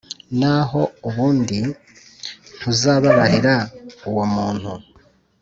naho ubundi ntuzabababarira uwo muntu